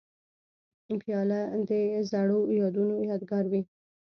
پیاله د زړو یادونو یادګار وي.